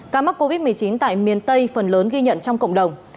ca mắc covid một mươi chín tại miền tây phần lớn ghi nhận trong cộng đồng